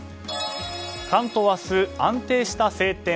関東は明日、安定した晴天。